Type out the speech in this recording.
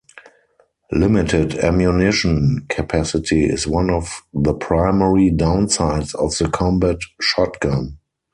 Limited ammunition capacity is one of the primary downsides of the combat shotgun.